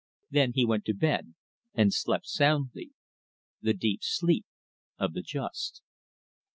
Then he went to bed, and slept soundly the deep sleep of the just.